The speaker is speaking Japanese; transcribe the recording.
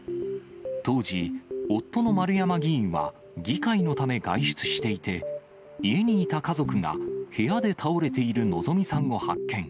当時、夫の丸山議員は議会のため、外出していて、家にいた家族が部屋で倒れている希美さんを発見。